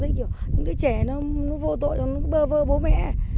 kiểu những đứa trẻ nó vô tội nó bơ vơ bố mẹ